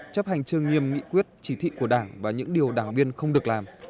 chấp hành chương nghiêm nghị quyết chỉ thị của đảng và những điều đảng viên không được làm